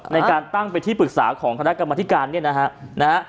ในการตั้งเป็นที่ปรึกษาของคณะกรรมธิการเนี่ยนะฮะ